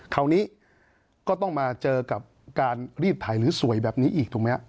คราวนี้ก็ต้องมาเจอกับการรีดถ่ายหรือสวยแบบนี้อีกถูกไหมครับ